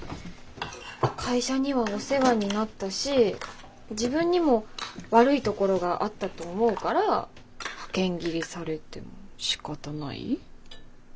会社にはお世話になったし自分にも悪いところがあったと思うから派遣切りされてもしかたない？